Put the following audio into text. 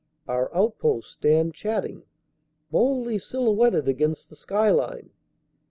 Our outposts stand chatting, boldly silhouetted against the skyline.